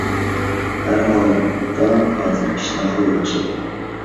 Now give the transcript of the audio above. ھەر ھالدا ھازىر ئىشلار خېلى ياخشى.